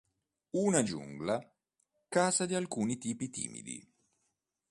Una Giungla, casa di alcuni Tipi Timidi.